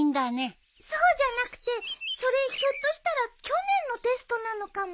そうじゃなくてそれひょっとしたら去年のテストなのかも。